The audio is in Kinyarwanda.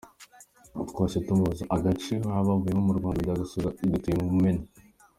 Twahise tumubaza agace baba batuyemo mu Rwanda, Meddy asubiza agira ati: “Dutuye ku Mumena.